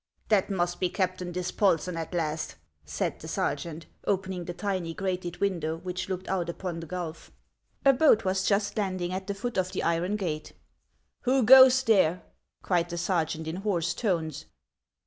" That must be Captain Dispolsen at last !" said the sergeant, opening the tiny grated window which looked out upon the gulf. 11AXS OF ICELAND. 39 A boat was just landing at the foot of the iron gate. " Who goes there ?" cried the sergeant in hoarse tones.